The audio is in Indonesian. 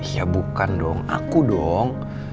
ya bukan dong aku dong